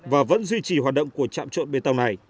và vẫn duy trì hoạt động của trạm trộn bê tông này